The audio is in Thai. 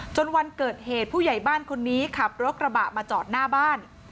วันเกิดเหตุผู้ใหญ่บ้านคนนี้ขับรถกระบะมาจอดหน้าบ้าน